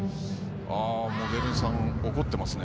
モデルさん、怒ってますね。